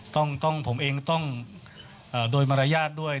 ต้องผมเองต้องโดยมารยาทด้วย